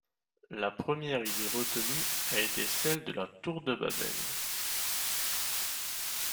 La première idée retenue a été celle de la Tour de Babel...